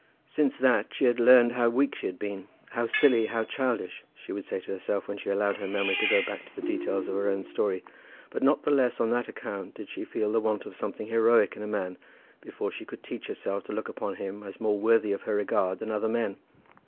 Since that she had learned how weak she had been, how silly, how childish, she would say to herself when she allowed her memory to go back to the details of her own story; but not the less on that account did she feel the want of something heroic in a man before she could teach herself to look upon him as more worthy of her regard than other men.